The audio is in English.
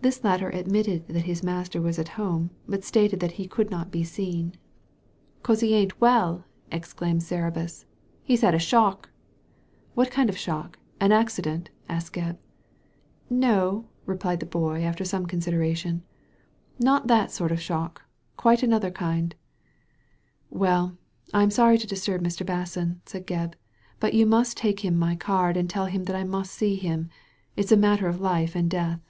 This latter admitted that his master was at home, but stated that he could not be seen. S Digitized by Google 2S8 THE LADY FROM NOWHERE " 'Cos he ain't well," explained Cerberus ;*• he's had a shock I " "What kind of a shock? An accident?" asked Gebb. "No/* replied the boy, after some consideration, " not that sort of shock. Quite another kind" "Well, I'm sorry to disturb Mr. Basson," said Gebb, " but you must take him my card and tell him that I must see him. It's a matter of life and death.''